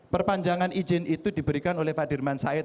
perpanjangan izin itu diberikan oleh pak dirman said